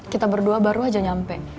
kita berdua baru aja nyampe